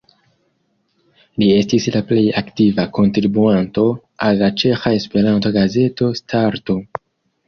Li estis la plej aktiva kontribuanto al la ĉeĥa Esperanto-gazeto Starto.